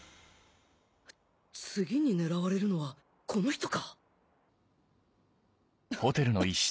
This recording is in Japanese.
次に狙われるのはこの人か？